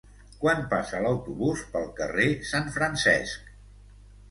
Quan passa l'autobús pel carrer Sant Francesc?